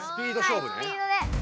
はいスピードで。